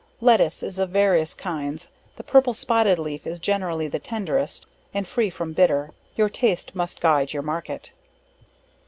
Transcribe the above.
Lettuce, is of various kinds; the purple spotted leaf is generally the tenderest, and free from bitter Your taste must guide your market.